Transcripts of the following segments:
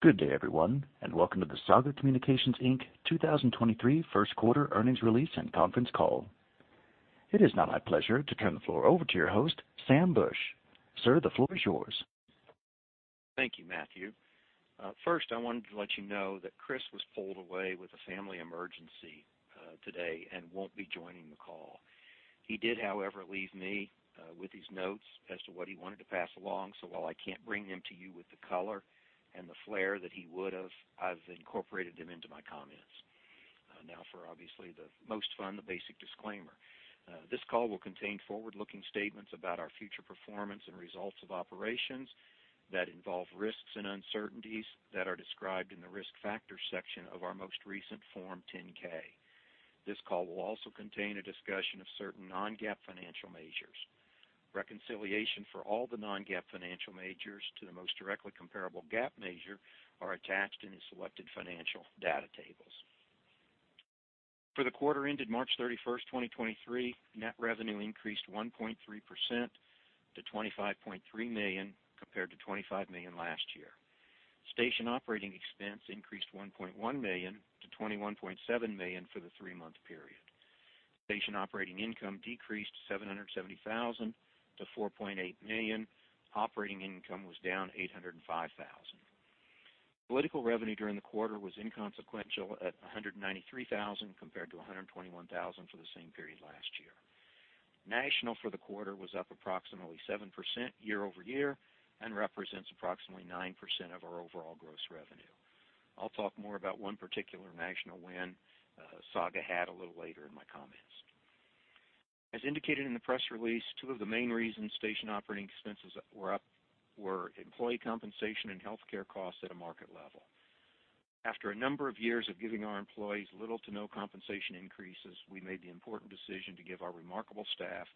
Good day, everyone, and welcome to the Saga Communications, Inc 2023 First Quarter Earnings Release and Conference Call. It is now my pleasure to turn the floor over to your host, Sam Bush. Sir, the floor is yours. Thank you, Matthew. First, I wanted to let you know that Chris was pulled away with a family emergency today and won't be joining the call. He did, however, leave me with his notes as to what he wanted to pass along. While I can't bring them to you with the color and the flair that he would've, I've incorporated them into my comments. Now for obviously the most fun, the basic disclaimer. This call will contain forward-looking statements about our future performance and results of operations that involve risks and uncertainties that are described in the Risk Factors section of our most recent Form 10-K. This call will also contain a discussion of certain non-GAAP financial measures. Reconciliation for all the non-GAAP financial measures to the most directly comparable GAAP measure are attached in the selected financial data tables. For the quarter ended March 31, 2023, net revenue increased 1.3% to $25.3 million, compared to $25 million last year. Station operating expense increased $1.1 million to $21.7 million for the three-month period. Station operating income decreased $770,000 to $4.8 million. Operating income was down $805,000. Political revenue during the quarter was inconsequential at $193,000, compared to $121,000 for the same period last year. National for the quarter was up approximately 7% year-over-year and represents approximately 9% of our overall gross revenue. I'll talk more about one particular national win, Saga had a little later in my comments. As indicated in the press release, two of the main reasons station operating expenses were up were employee compensation and healthcare costs at a market level. After a number of years of giving our employees little to no compensation increases, we made the important decision to give our remarkable staff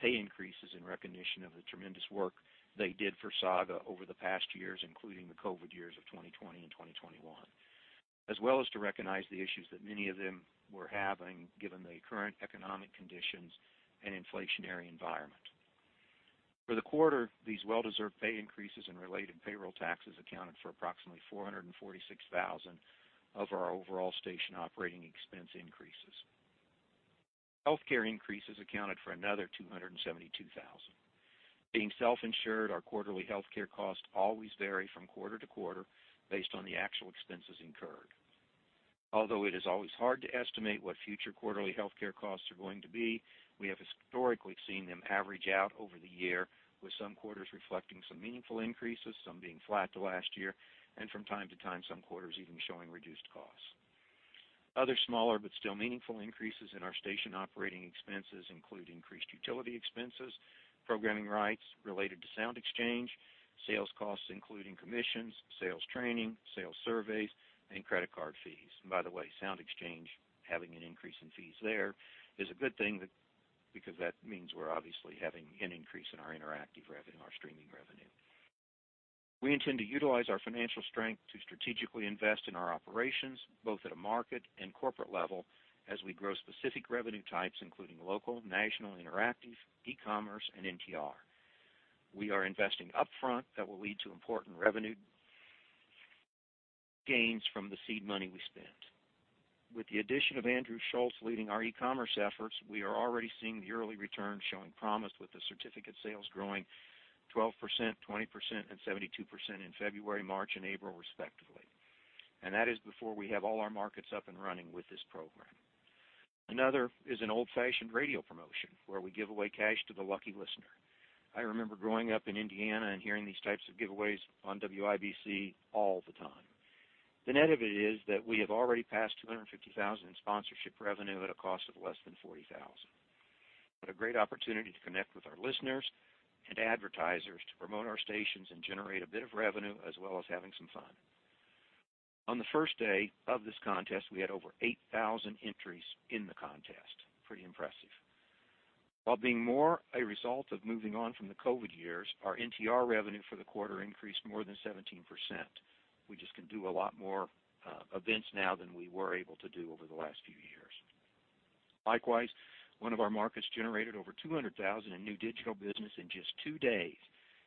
pay increases in recognition of the tremendous work they did for Saga over the past years, including the COVID years of 2020 and 2021, as well as to recognize the issues that many of them were having given the current economic conditions and inflationary environment. For the quarter, these well-deserved pay increases and related payroll taxes accounted for approximately $446,000 of our overall station operating expense increases. Healthcare increases accounted for another $272,000. Being self-insured, our quarterly healthcare costs always vary from quarter to quarter based on the actual expenses incurred. Although it is always hard to estimate what future quarterly healthcare costs are going to be, we have historically seen them average out over the year, with some quarters reflecting some meaningful increases, some being flat to last year, and from time to time, some quarters even showing reduced costs. Other smaller but still meaningful increases in our station operating expenses include increased utility expenses, programming rights related to SoundExchange, sales costs including commissions, sales training, sales surveys, and credit card fees. By the way, SoundExchange, having an increase in fees there is a good thing because that means we're obviously having an increase in our interactive revenue and our streaming revenue. We intend to utilize our financial strength to strategically invest in our operations, both at a market and corporate level as we grow specific revenue types, including local, national, interactive, e-commerce and NTR. We are investing upfront that will lead to important revenue gains from the seed money we spent. With the addition of Andrew Schulze leading our e-commerce efforts, we are already seeing the early returns showing promise with the certificate sales growing 12%, 20%, and 72% in February, March, and April, respectively. That is before we have all our markets up and running with this program. Another is an old-fashioned radio promotion where we give away cash to the lucky listener. I remember growing up in Indiana and hearing these types of giveaways on WIBC all the time. The net of it is that we have already passed $250,000 in sponsorship revenue at a cost of less than $40,000. What a great opportunity to connect with our listeners and advertisers to promote our stations and generate a bit of revenue as well as having some fun. On the first day of this contest, we had over 8,000 entries in the contest. Pretty impressive. While being more a result of moving on from the COVID years, our NTR revenue for the quarter increased more than 17%. We just can do a lot more events now than we were able to do over the last few years. Likewise, one of our markets generated over $200,000 in new digital business in just two days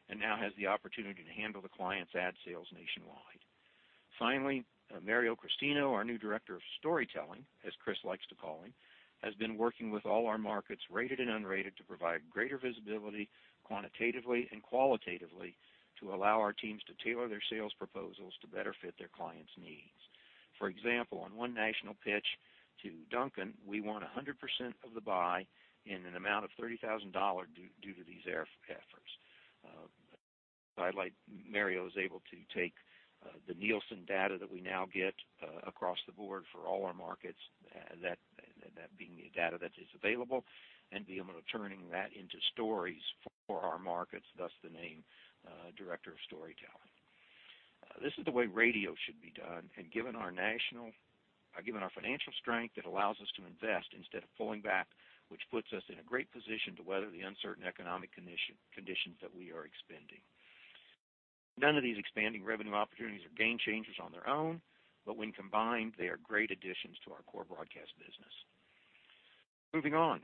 and now has the opportunity to handle the client's ad sales nationwide. Finally, Mario Christino, our new Director of Storytelling, as Chris likes to call him, has been working with all our markets, rated and unrated, to provide greater visibility quantitatively and qualitatively to allow our teams to tailor their sales proposals to better fit their clients' needs. For example, on one national pitch to Dunkin', we won 100% of the buy in an amount of $30,000 due to these efforts. Mario is able to take the Nielsen data that we now get across the board for all our markets, that being the data that is available, and be able to turning that into stories for our markets, thus the name Director of Storytelling. This is the way radio should be done. Given our financial strength, it allows us to invest instead of pulling back, which puts us in a great position to weather the uncertain economic conditions that we are expending. None of these expanding revenue opportunities are game changers on their own, but when combined, they are great additions to our core broadcast business. Moving on.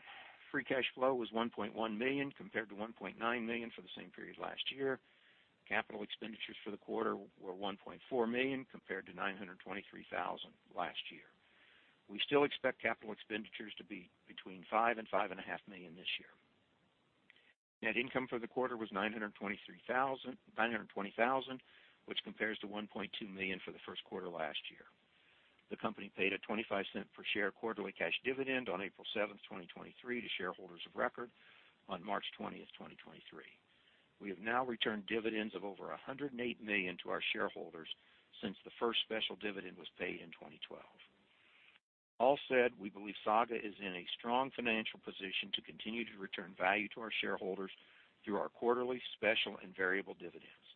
Free cash flow was $1.1 million compared to $1.9 million for the same period last year. Capital expenditures for the quarter were $1.4 million compared to $923,000 last year. We still expect CapEx to be between $5 million and $5.5 million this year. Net income for the quarter was $920,000, which compares to $1.2 million for the first quarter last year. The company paid a $0.25 per share quarterly cash dividend on April 7, 2023 to shareholders of record on March 20, 2023. We have now returned dividends of over $108 million to our shareholders since the first special dividend was paid in 2012. All said, we believe Saga is in a strong financial position to continue to return value to our shareholders through our quarterly, special, and variable dividends.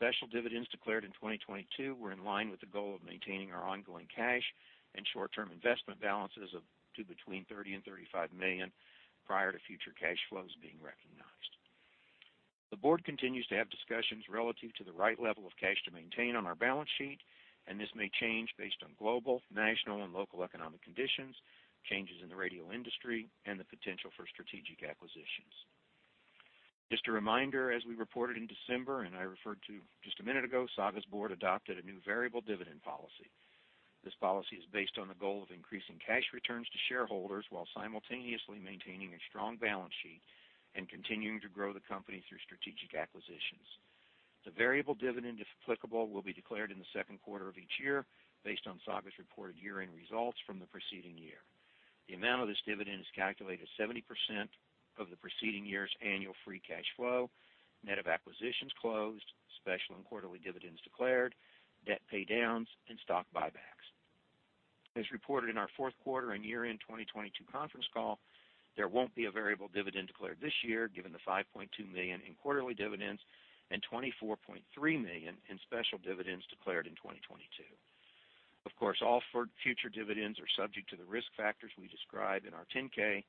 The special dividends declared in 2022 were in line with the goal of maintaining our ongoing cash and short-term investment balances of to between $30 million and $35 million prior to future cash flows being recognized. The board continues to have discussions relative to the right level of cash to maintain on our balance sheet, and this may change based on global, national, and local economic conditions, changes in the radio industry, and the potential for strategic acquisitions. Just a reminder, as we reported in December, and I referred to just a minute ago, Saga's board adopted a new variable dividend policy. This policy is based on the goal of increasing cash returns to shareholders while simultaneously maintaining a strong balance sheet and continuing to grow the company through strategic acquisitions. The variable dividend, if applicable, will be declared in the second quarter of each year based on Saga's reported year-end results from the preceding year. The amount of this dividend is calculated 70% of the preceding year's annual free cash flow, net of acquisitions closed, special and quarterly dividends declared, debt pay downs, and stock buybacks. As reported in our Fourth Quarter and Year-End 2022 Conference Call, there won't be a variable dividend declared this year, given the $5.2 million in quarterly dividends and $24.3 million in special dividends declared in 2022. All future dividends are subject to the risk factors we describe in our 10-K,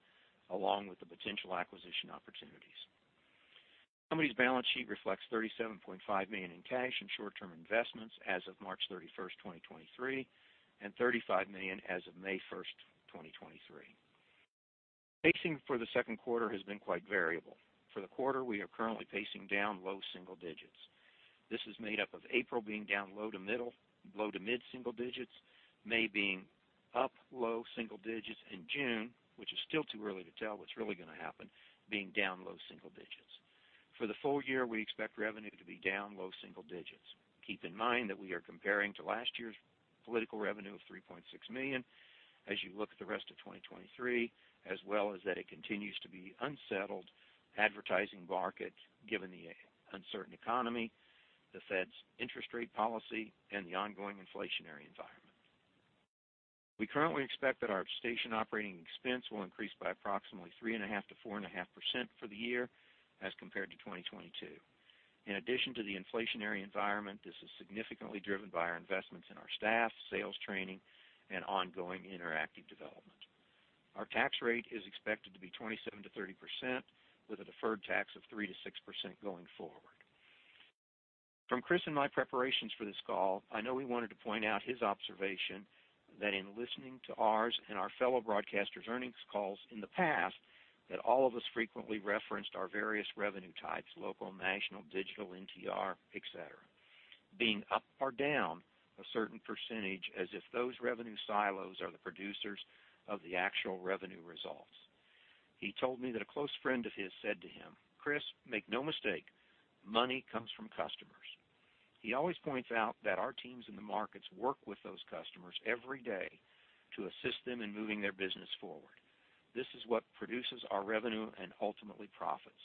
along with the potential acquisition opportunities. Company's balance sheet reflects $37.5 million in cash and short-term investments as of March 31st, 2023, and $35 million as of May 1st, 2023. Pacing for the second quarter has been quite variable. For the quarter, we are currently pacing down low single digits. This is made up of April being down low to mid single digits, May being up low single digits, and June, which is still too early to tell what's really gonna happen, being down low single digits. For the full year, we expect revenue to be down low single digits. Keep in mind that we are comparing to last year's political revenue of $3.6 million as you look at the rest of 2023, as well as that it continues to be unsettled advertising market given the uncertain economy, the Fed's interest rate policy, and the ongoing inflationary environment. We currently expect that our station operating expense will increase by approximately 3.5%-4.5% for the year as compared to 2022. In addition to the inflationary environment, this is significantly driven by our investments in our staff, sales training, and ongoing interactive development. Our tax rate is expected to be 27%-30%, with a deferred tax of 3%-6% going forward. From Chris and my preparations for this call, I know he wanted to point out his observation that in listening to ours and our fellow broadcasters' earnings calls in the past, that all of us frequently referenced our various revenue types, local, national, digital, NTR, et cetera, being up or down a certain percentage as if those revenue silos are the producers of the actual revenue results. He told me that a close friend of his said to him, "Chris, make no mistake, money comes from customers." He always points out that our teams in the markets work with those customers every day to assist them in moving their business forward. This is what produces our revenue and ultimately profits.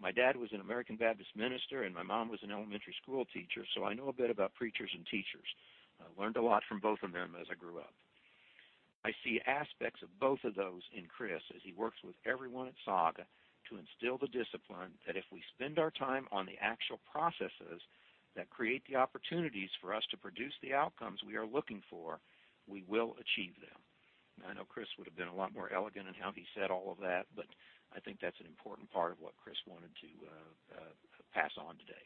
My dad was an American Baptist minister, and my mom was an elementary school teacher, so I know a bit about preachers and teachers. I learned a lot from both of them as I grew up. I see aspects of both of those in Chris as he works with everyone at Saga to instill the discipline that if we spend our time on the actual processes that create the opportunities for us to produce the outcomes we are looking for, we will achieve them. I know Chris would have been a lot more elegant in how he said all of that. I think that's an important part of what Chris wanted to pass on today.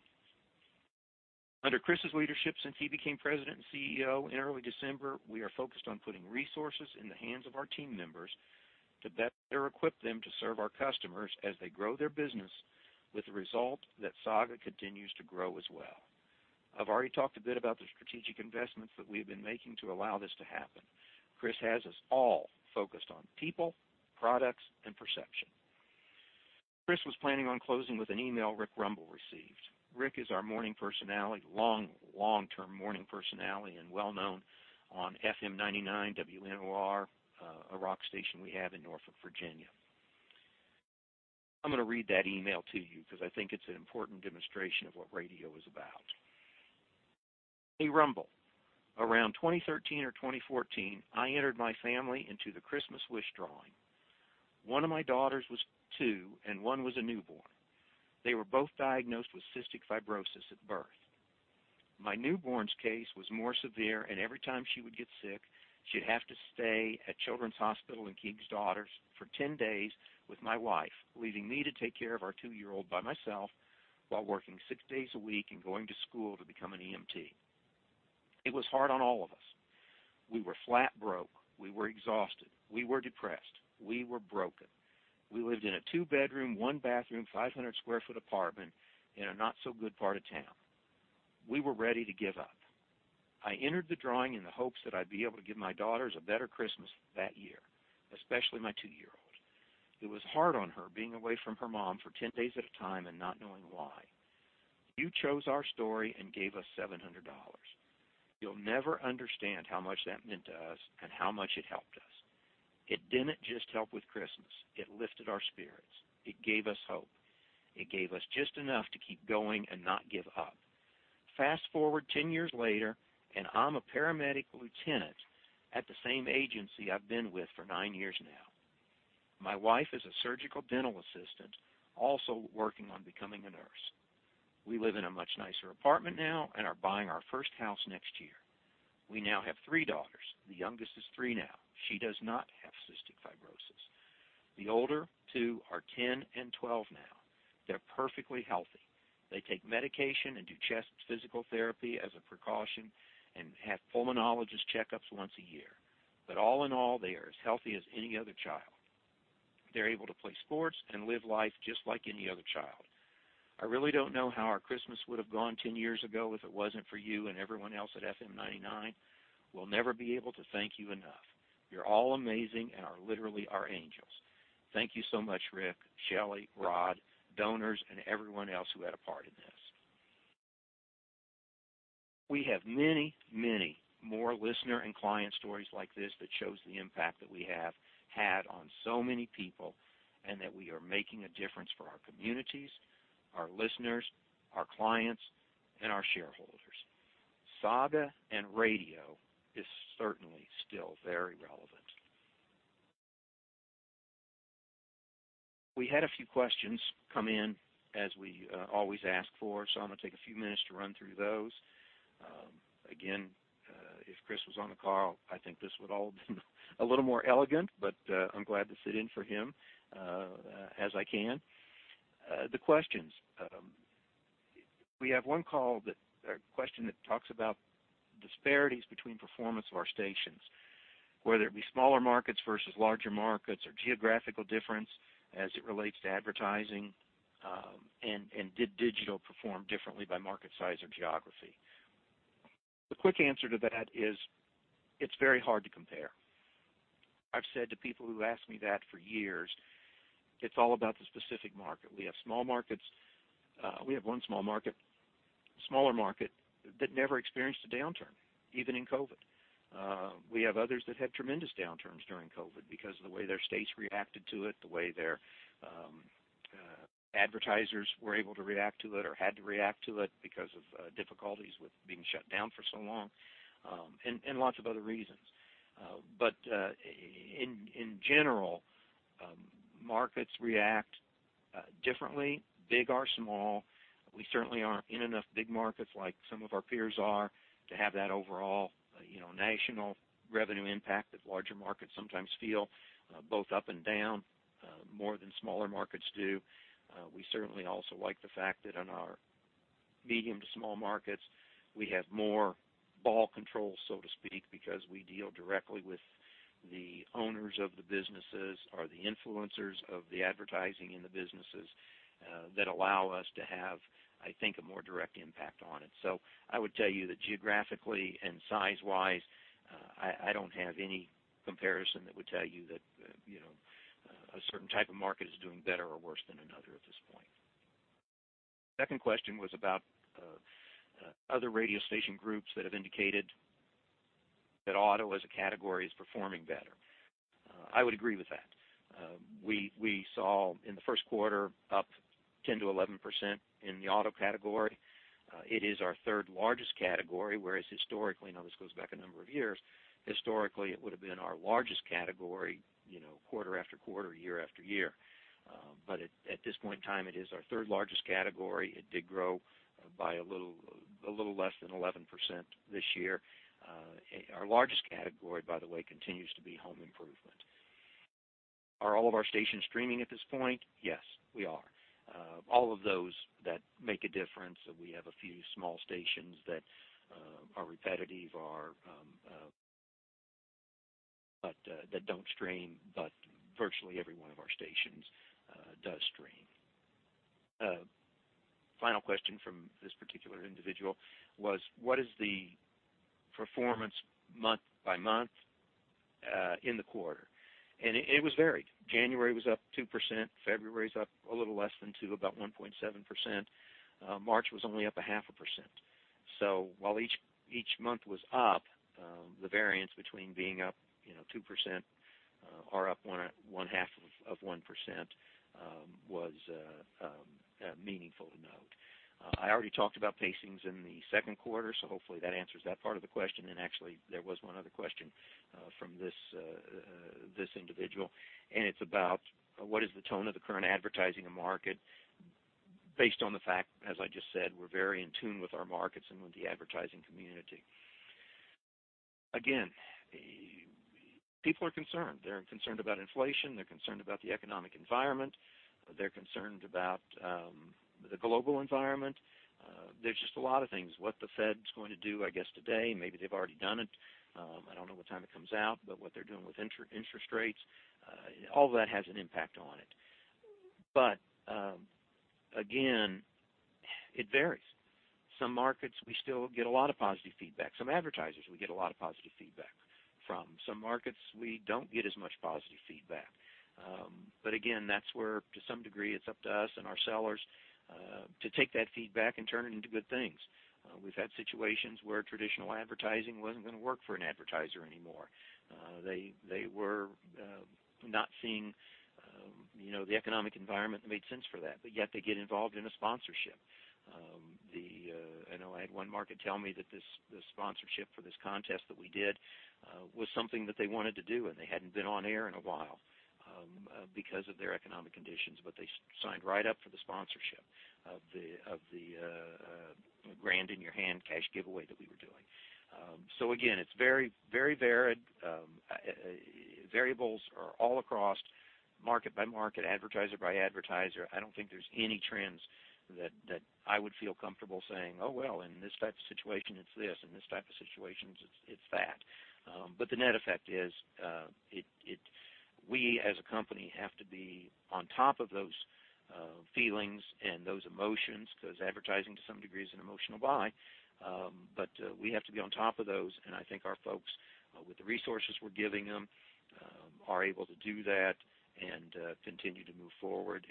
Under Chris's leadership since he became president and CEO in early December, we are focused on putting resources in the hands of our team members to better equip them to serve our customers as they grow their business with the result that Saga continues to grow as well. I've already talked a bit about the strategic investments that we've been making to allow this to happen. Chris has us all focused on people, products, and perception. Chris was planning on closing with an email Rick Rumble received. Rick is our long-term morning personality and well-known on FM99 WNOR, a rock station we have in Norfolk, Virginia. I'm gonna read that email to you because I think it's an important demonstration of what radio is about. "Hey, Rumble. Around 2013 or 2014, I entered my family into the Christmas Wish drawing. One of my daughters was two, and one was a newborn. They were both diagnosed with cystic fibrosis at birth. My newborn's case was more severe, and every time she would get sick, she'd have to stay at Children's Hospital of the King's Daughters for 10 days with my wife, leaving me to take care of our two-year-old by myself while working 6 days a week and going to school to become an EMT. It was hard on all of us. We were flat broke. We were exhausted. We were depressed. We were broken. We lived in a two-bedroom, one-bathroom, 500 sq ft apartment in a not-so-good part of town. We were ready to give up. I entered the drawing in the hopes that I'd be able to give my daughters a better Christmas that year, especially my two-year-old. It was hard on her being away from her mom for 10 days at a time and not knowing why. You chose our story and gave us $700. You'll never understand how much that meant to us and how much it helped us. It didn't just help with Christmas. It lifted our spirits. It gave us hope. It gave us just enough to keep going and not give up. Fast-forward 10 years later, and I'm a paramedic lieutenant at the same agency I've been with for nine years now. My wife is a surgical dental assistant, also working on becoming a nurse. We live in a much nicer apartment now and are buying our first house next year. We now have three daughters. The youngest is three now. She does not have cystic fibrosis. The older two are 10 and 12 now. They're perfectly healthy. They take medication and do chest physical therapy as a precaution and have pulmonologist checkups once a year. All in all, they are as healthy as any other child. They're able to play sports and live life just like any other child. I really don't know how our Christmas would have gone 10 years ago if it wasn't for you and everyone else at FM99. We'll never be able to thank you enough. You're all amazing and are literally our angels. Thank you so much, Rick, Shelley, Rod, donors, and everyone else who had a part in this." We have many, many more listener and client stories like this that shows the impact that we have had on so many people and that we are making a difference for our communities, our listeners, our clients, and our shareholders. Saga and radio is certainly still very relevant. We had a few questions come in as we always ask for, so I'm gonna take a few minutes to run through those. Again, if Chris was on the call, I think this would all be a little more elegant, but I'm glad to sit in for him as I can. The questions. We have one call or question that talks about disparities between performance of our stations, whether it be smaller markets versus larger markets or geographical difference as it relates to advertising, and did digital perform differently by market size or geography. The quick answer to that is it's very hard to compare. I've said to people who ask me that for years, it's all about the specific market. We have small markets. We have one small market, smaller market that never experienced a downturn, even in COVID. We have others that had tremendous downturns during COVID because of the way their states reacted to it, the way their advertisers were able to react to it or had to react to it because of difficulties with being shut down for so long, and lots of other reasons. In general, markets react differently, big or small. We certainly aren't in enough big markets like some of our peers are to have that overall, you know, national revenue impact that larger markets sometimes feel, both up and down, more than smaller markets do. We certainly also like the fact that on our medium to small markets, we have more ball control, so to speak, because we deal directly with the owners of the businesses or the influencers of the advertising in the businesses, that allow us to have, I think, a more direct impact on it. I would tell you that geographically and size-wise, I don't have any comparison that would tell you that, you know, a certain type of market is doing better or worse than another at this point. Second question was about other radio station groups that have indicated that auto as a category is performing better. I would agree with that. We saw in the first quarter up 10%-11% in the auto category. It is our third-largest category, whereas historically, now this goes back a number of years, historically, it would have been our largest category, you know, quarter after quarter, year after year. At this point in time, it is our third-largest category. It did grow by a little less than 11% this year. Our largest category, by the way, continues to be home improvement. Are all of our stations streaming at this point? Yes, we are. All of those that make a difference. We have a few small stations that are repetitive or that don't stream, but virtually every one of our stations does stream. Final question from this particular individual was, what is the performance month by month in the quarter? It was varied. January was up 2%. February was up a little less than two, about 1.7%. March was only up 0.5%. While each month was up, the variance between being up, you know, 2% or up 0.5%, was meaningful to note. I already talked about pacings in the second quarter, hopefully that answers that part of the question. Actually, there was one other question from this individual, and it's about what is the tone of the current advertising market based on the fact, as I just said, we're very in tune with our markets and with the advertising community. People are concerned. They're concerned about inflation, they're concerned about the economic environment, they're concerned about the global environment. There's just a lot of things. What the Fed's going to do, I guess, today, maybe they've already done it. I don't know what time it comes out, but what they're doing with interest rates, all that has an impact on it. Again, it varies. Some markets, we still get a lot of positive feedback. Some advertisers we get a lot of positive feedback from. Some markets, we don't get as much positive feedback. Again, that's where, to some degree, it's up to us and our sellers, to take that feedback and turn it into good things. We've had situations where traditional advertising wasn't gonna work for an advertiser anymore. They were not seeing, you know, the economic environment that made sense for that, but yet they get involved in a sponsorship. I know I had one market tell me that this sponsorship for this contest that we did, was something that they wanted to do, and they hadn't been on air in a while, because of their economic conditions. They signed right up for the sponsorship of the Grand In Your Hand cash giveaway that we were doing. Again, it's very, very varied. Variables are all across market by market, advertiser by advertiser. I don't think there's any trends that I would feel comfortable saying, "Oh, well, in this type of situation, it's this, in this type of situations, it's that." The net effect is, we, as a company, have to be on top of those, feelings and those emotions, 'cause advertising, to some degree, is an emotional buy. We have to be on top of those, and I think our folks, with the resources we're giving them, are able to do that and continue to move forward.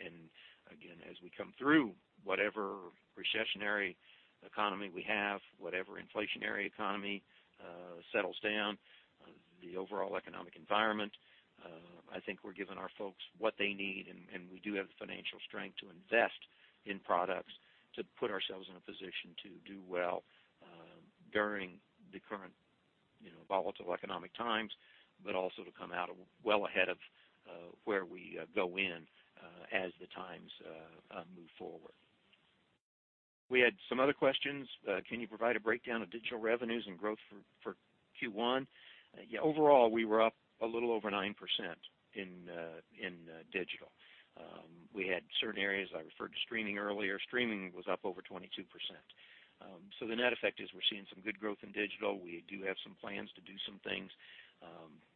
Again, as we come through whatever recessionary economy we have, whatever inflationary economy settles down, the overall economic environment, I think we're giving our folks what they need, and we do have the financial strength to invest in products to put ourselves in a position to do well, during the current, you know, volatile economic times, but also to come out well ahead of where we go in as the times move forward. We had some other questions. Can you provide a breakdown of digital revenues and growth for Q1? Yeah. Overall, we were up a little over 9% in digital. We had certain areas, I referred to streaming earlier. Streaming was up over 22%. So the net effect is we're seeing some good growth in digital. We do have some plans to do some things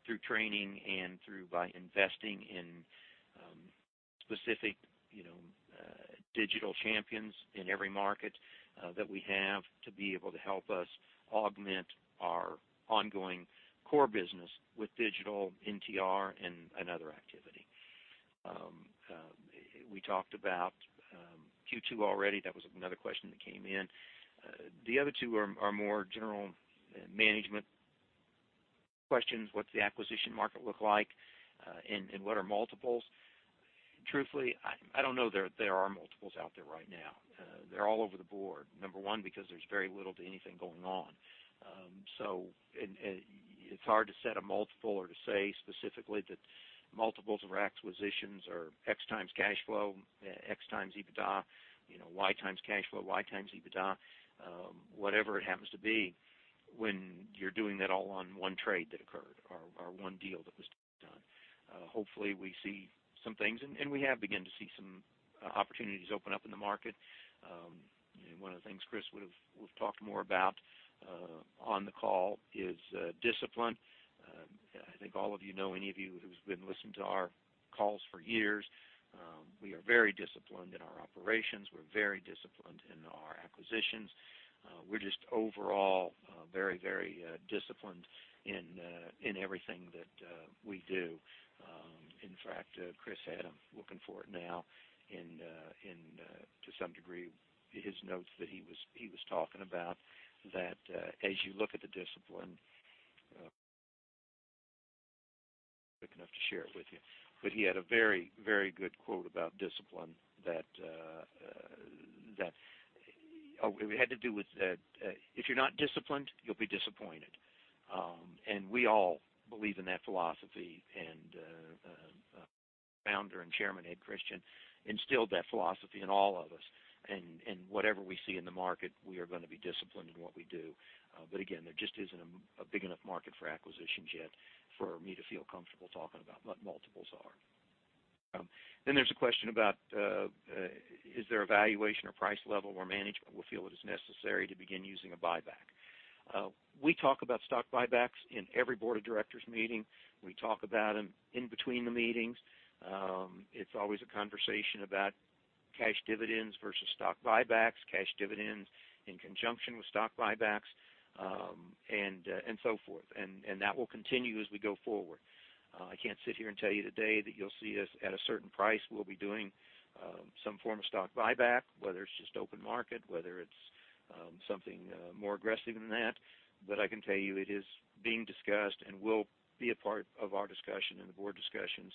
through training and through by investing in specific, you know, digital champions in every market that we have to be able to help us augment our ongoing core business with digital NTR and another activity. We talked about Q2 already. That was another question that came in. The other two are more general management questions. What's the acquisition market look like, and what are multiples? Truthfully, I don't know there are multiples out there right now. They're all over the board. Number one, because there's very little to anything going on. It's hard to set a multiple or to say specifically that multiples of our acquisitions are x times cash flow, x times EBITDA, you know, y times cash flow, y times EBITDA, whatever it happens to be when you're doing that all on one trade that occurred or one deal that was done. Hopefully, we see some things, and we have begun to see some opportunities open up in the market. One of the things Chris would've talked more about on the call is discipline. I think all of you know, any of you who's been listening to our calls for years, we are very disciplined in our operations. We're very disciplined in our acquisitions. We're just overall very disciplined in everything that we do. In fact, Chris had, I'm looking for it now, in to some degree, his notes that he was talking about, that as you look at the discipline. Quick enough to share it with you. He had a very, very good quote about discipline that... Oh, it had to do with, if you're not disciplined, you'll be disappointed. We all believe in that philosophy. Founder and Chairman, Ed Christian, instilled that philosophy in all of us. Whatever we see in the market, we are gonna be disciplined in what we do. Again, there just isn't a big enough market for acquisitions yet for me to feel comfortable talking about what multiples are. Then there's a question about, is there a valuation or price level where management will feel it is necessary to begin using a buyback? We talk about stock buybacks in every board of directors meeting. We talk about them in between the meetings. It's always a conversation about cash dividends versus stock buybacks, cash dividends in conjunction with stock buybacks, and so forth. That will continue as we go forward. I can't sit here and tell you today that you'll see us at a certain price, we'll be doing some form of stock buyback, whether it's just open market, whether it's something more aggressive than that. I can tell you it is being discussed and will be a part of our discussion and the board discussions,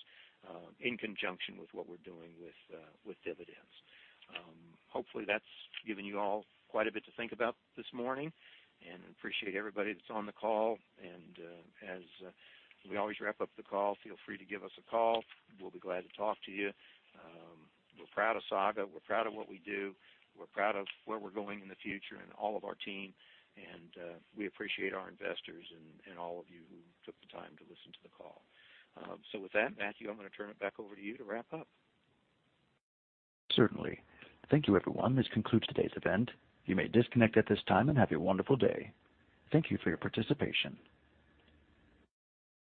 in conjunction with what we're doing with dividends. Hopefully, that's given you all quite a bit to think about this morning. I appreciate everybody that's on the call. As we always wrap up the call, feel free to give us a call. We'll be glad to talk to you. We're proud of Saga. We're proud of what we do. We're proud of where we're going in the future and all of our team. We appreciate our investors and all of you who took the time to listen to the call. With that, Matthew, I'm gonna turn it back over to you to wrap up. Certainly. Thank you, everyone. This concludes today's event. You may disconnect at this time, and have a wonderful day. Thank you for your participation.